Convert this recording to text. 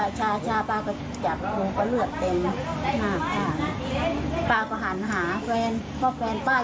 ป้าก็ทำใจไม่มีควรป้านั่งร้องไห้ตรงนั้น